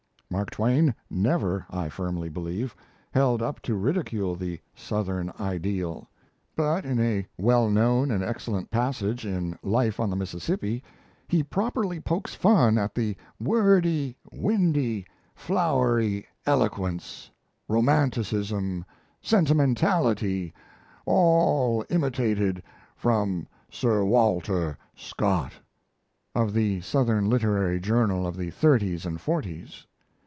Mark Twain never, I firmly believe, held up to ridicule the Southern "ideal." But in a well known and excellent passage in Life on the Mississippi, he properly pokes fun at the "wordy, windy, flowery 'eloquence,' romanticism, sentimentality all imitated from Sir Walter Scott," of the Southern literary journal of the thirties and forties.